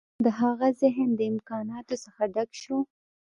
د هغه ذهن د امکاناتو څخه ډک شو